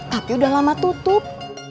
tapi udah lama tutup